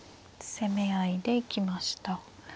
攻め合いで行きました。